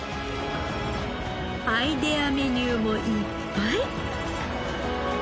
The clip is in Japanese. アイデアメニューもいっぱい。